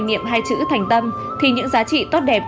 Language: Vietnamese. niệm hai chữ thành tâm thì những giá trị tốt đẹp